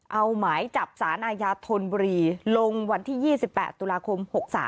เอาหมายจับสารอาญาธนบุรีลงวันที่๒๘ตุลาคม๖๓